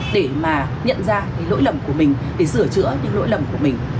để mà nhận ra lỗi lầm của mình để sửa chữa những lỗi lầm của mình